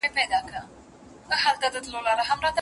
رسوي مو زیار او صبر تر هدف تر منزلونو.